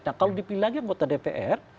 nah kalau dipilih lagi anggota dpr